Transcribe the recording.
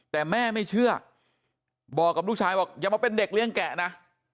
แต่แม่ไม่เชื่อบอกกับลูกชายบอกอย่ามาเป็นเด็กเลี้ยงแกะนะ